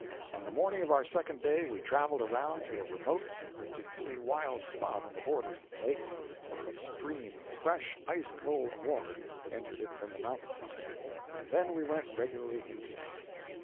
On the morning of our second day, we traveled around to a remote and particularly wild spot on the borders of the Lake, where a stream of fresh, ice cold water entered it from the mountain side, and then we went regularly into camp.